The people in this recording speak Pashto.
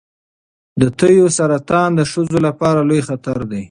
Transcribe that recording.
د تیو سرطان د ښځو لپاره لوی خطر دی.